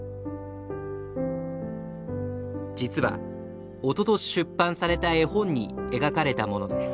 実はおととし出版された絵本に描かれたものです。